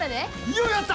ようやった！